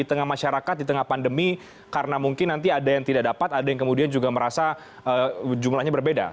karena masyarakat di tengah pandemi karena mungkin nanti ada yang tidak dapat ada yang kemudian juga merasa jumlahnya berbeda